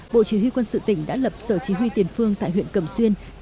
bộ chỉ huy quân sự tỉnh đã lập sở chí huy tiền phương tại huyện cầm xuyên